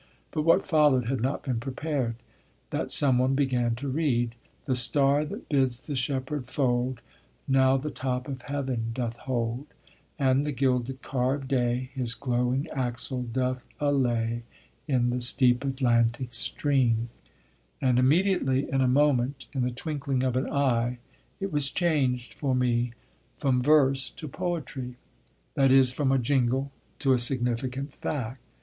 But what followed had not been prepared that some one began to read: "The star that bids the shepherd fold Now the top of Heav'n doth hold; And the gilded car of day His glowing axle doth allay In the steep Atlantic stream" and immediately, in a moment, in the twinkling of an eye, it was changed for me from verse to poetry; that is, from a jingle to a significant fact.